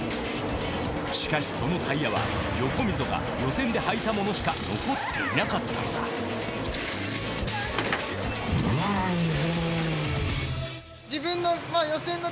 しかしそのタイヤは横溝が予選で履いたものしか残っていなかったのだもうね。